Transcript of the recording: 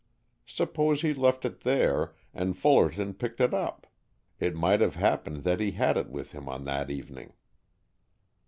Suppose he left it there, and Fullerton picked it up, it might have happened that he had it with him on that evening."